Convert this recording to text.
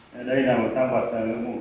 đây là một tham vật một cái vụ án đang xảy ra